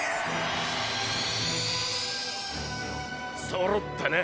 そろったな。